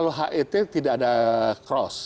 kalau het tidak ada cross